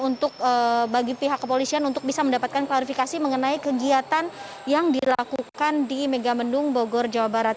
untuk bagi pihak kepolisian untuk bisa mendapatkan klarifikasi mengenai kegiatan yang dilakukan di megamendung bogor jawa barat